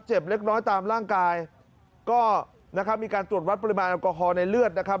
เล็กน้อยตามร่างกายก็นะครับมีการตรวจวัดปริมาณแอลกอฮอลในเลือดนะครับ